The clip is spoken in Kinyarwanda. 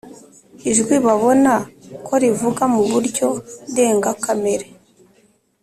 ijwi babona ko rivuga mu buryo ndengakamere